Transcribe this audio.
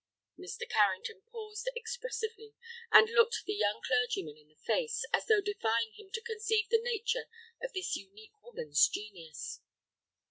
Mr. Carrington paused expressively, and looked the young clergyman in the face, as though defying him to conceive the nature of this unique woman's genius.